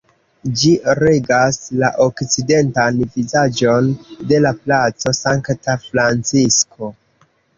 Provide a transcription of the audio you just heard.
Ĝi regas la okcidentan vizaĝon de la Placo Sankta Francisko.